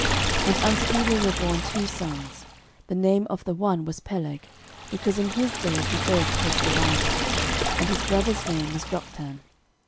13:001:019 And unto Eber were born two sons: the name of the one was Peleg; because in his days the earth was divided: and his brother's name was Joktan.